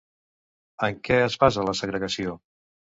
En què es basa la segregació?